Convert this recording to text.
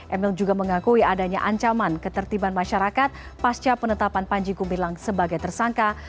emil juga mengakui adanya ancaman ketertiban masyarakat pasca penetapan panji gumilang sebagai tersangka